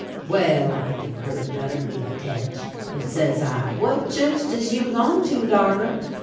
Well, I gib her anodder leetle tetch, and says I: "What chu'ch does you 'long to, darter?"